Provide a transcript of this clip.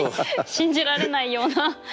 信じられないような何か。